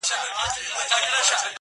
ما لس كاله سلطنت په تا ليدلى؛